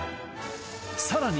さらに